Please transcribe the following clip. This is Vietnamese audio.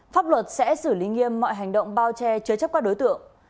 pháp luật sẽ xử lý nghiêm mọi hành động bao che chứa chấp các đối tượng